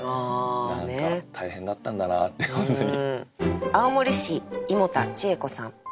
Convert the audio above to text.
何か大変だったんだなって本当に。